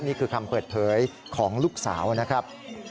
นี่คือคำเปิดเผยของลูกสาวนะครับ